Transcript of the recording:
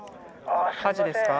火事ですか？